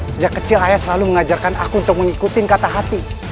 sejak kecil ayah selalu mengajarkan aku untuk mengikuti kata hati